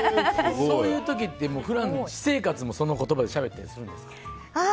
そういう時って、私生活もその言葉でしゃべったりします？